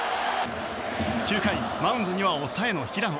９回、マウンドには抑えの平野。